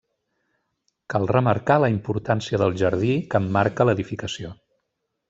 Cal remarcar la importància del jardí que emmarca l'edificació.